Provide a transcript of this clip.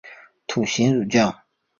士行如将。